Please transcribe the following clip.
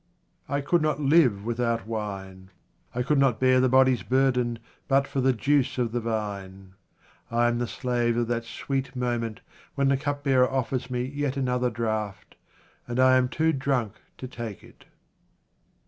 1 COULD not live without wine ; 1 could not bear the body's burden but for the juice of the vine. I am the slave of that sweet mo ment when the cupbearer offers me yet another draught, and 1 am too drunk to take it.